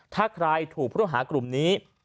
ถ้าใครถูกพุทธหากลุ่มนี้